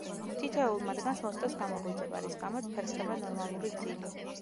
თითოეულ მათგანს მოსდევს გამოღვიძება, რის გამოც ფერხდება ნორმალური ძილი.